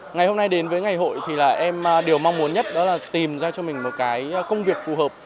ngày hôm nay đến với ngày hội thì là em đều mong muốn nhất đó là tìm ra cho mình một cái công việc phù hợp